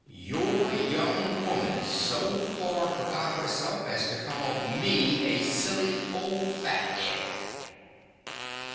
Your young woman so far forgot herself as to call me a silly ole fat 'ead.